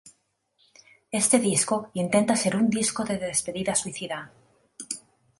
Este disco intenta ser un disco de despedida "suicida".